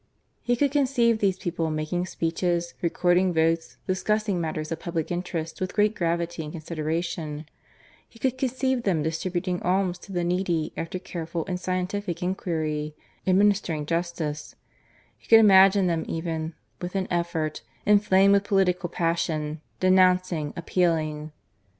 He could conceive these people making speeches, recording votes, discussing matters of public interest with great gravity and consideration; he could conceive them distributing alms to the needy after careful and scientific enquiry, administering justice; he could imagine them even, with an effort, inflamed with political passion, denouncing, appealing.